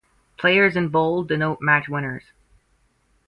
Players in bold denote match winners.